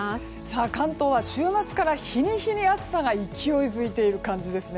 関東は週末から日に日に暑さが勢いづいていますね。